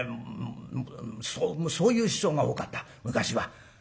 そういう師匠が多かった昔は。